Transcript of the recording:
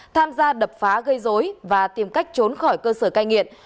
tham gia đập phá gây dối và tìm cách trốn khỏi cơ sở cai nghiện